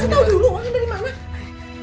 mas tau dulu uangnya dari mana